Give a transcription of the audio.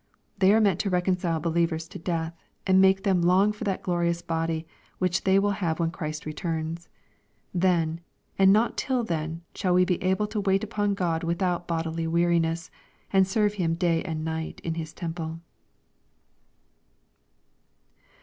They are meant to reconcile believers to death, and make them long for that glorious body which they will have when Christ returns. Then, and not till then, shall we be able to wait upon God without bodily weariness, and to serve Him day and night in His temple.